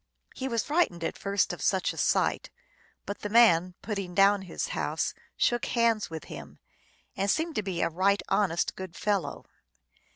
He was frightened at first at such a sight, but the man, putting down his house, shook hands with him, and seemed to be a right hon est good fellow.